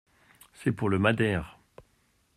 C’est pour le madère !